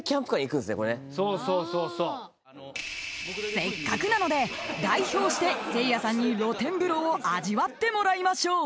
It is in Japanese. ［せっかくなので代表してせいやさんに露天風呂を味わってもらいましょう］